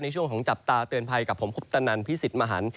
ช่วงของจับตาเตือนภัยกับผมคุปตนันพิสิทธิ์มหัน